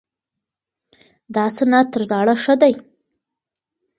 دا سند تر زاړه ښه دی.